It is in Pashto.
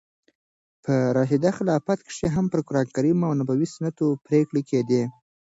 په راشده خلافت کښي هم پر قرانکریم او نبوي سنتو پرېکړي کېدې.